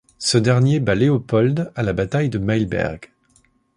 Ce dernier bat Léopold à la bataille de Mailberg.